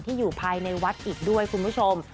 อยู่ภายในวัดอีกด้วยคุณผู้ชม